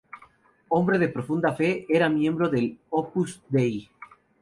Hombre de profunda fe, era miembro del Opus Dei.